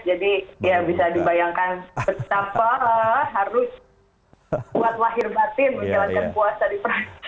jadi ya bisa dibayangkan betapa harus buat lahir batin menjalankan puasa di perancis